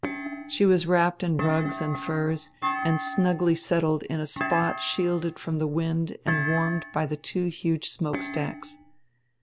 She was wrapped in rugs and furs and snugly settled in a spot shielded from the wind and warmed by the two huge smoke stacks.